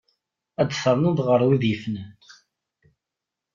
Ad ternuḍ ɣer wid yefnan.